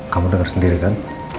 kamu dengar sendiri kan